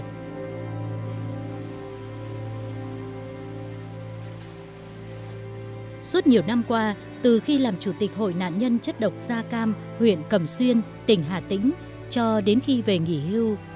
rất nhiều năm qua từ khi làm chủ tịch hội nạn nhân chất độc sa cam huyện cầm xuyên tỉnh hà tĩnh cho đến khi về nghỉ hưu